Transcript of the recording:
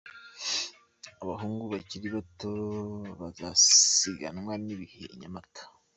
Abahungu bakiri bato bazasiganwa n'ibihe i Nyamata .